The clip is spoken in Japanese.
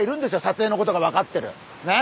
撮影のことがわかってる。ね！